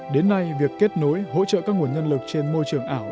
đến nay việc kết nối hỗ trợ các nguồn nhân lực trên môi trường ảo